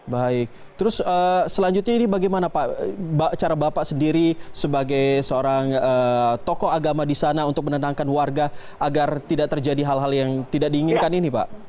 baik terus selanjutnya ini bagaimana pak cara bapak sendiri sebagai seorang tokoh agama di sana untuk menenangkan warga agar tidak terjadi hal hal yang tidak diinginkan ini pak